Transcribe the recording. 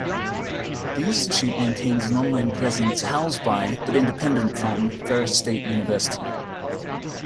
The institute maintains an online presence housed by, but independent from, Ferris State University.